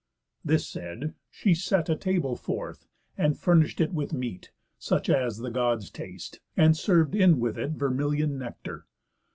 This said, she set A table forth, and furnish'd it with meat, Such as the Gods taste; and serv'd in with it Vermilion nectar.